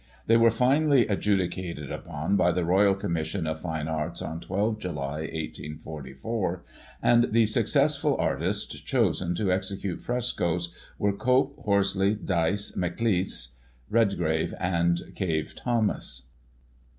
They were finally adjudicated upon by the Royal Commission of Fine Arts, on 12 July, 1844, ^^nd the successful artists chosen to execute frescoes were Cope, Horsley, Dyce, Maclise, Red grave, and Cave Thomas.